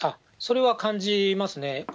それは感じますね。